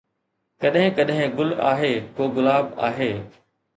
ڪڏھن ڪڏھن گل آھي، ڪو گلاب آھي